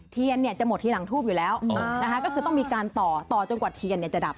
เทียนเนี่ยจะหมดทีหลังทูบอยู่แล้วนะคะก็คือต้องมีการต่อต่อจนกว่าเทียนจะดับ